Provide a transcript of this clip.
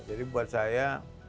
jadi buat saya